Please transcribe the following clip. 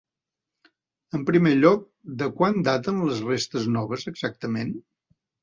En primer lloc, de quan daten les restes noves, exactament?